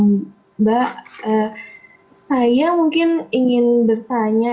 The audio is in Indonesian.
mbak saya mungkin ingin bertanya